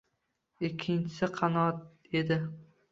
ikkinchisi qanoat edi.